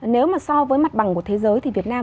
nếu mà so với mặt bằng của thế giới thì việt nam